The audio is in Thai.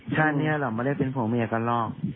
ชาตินี้เราไม่ได้เป็นผัวเมียกันหรอก